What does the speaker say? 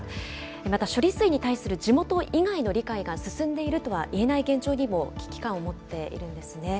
また処理水に対する地元以外の理解が進んでいるとはいえない現状にも、危機感を持っているんですね。